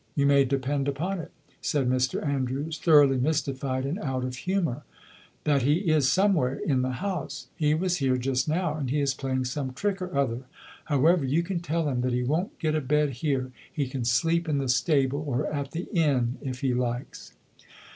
"You may depend upon it," said Mr Andrews, thoroughly mystified and out of humour, "that he is somewhere in the house. He was here just now, and he is playing some trick or other. However, you can tell him that he won't get a bed here; he can sleep in the stable or at the inn if he likes."